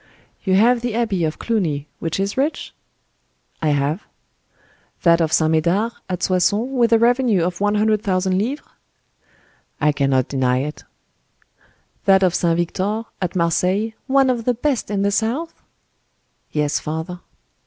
"You have the abbey of Cluny, which is rich?" "I have." "That of St. Medard at Soissons, with a revenue of one hundred thousand livres?" "I cannot deny it." "That of St. Victor, at Marseilles,—one of the best in the south?" "Yes father."